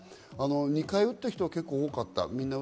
２回打った人は多かった。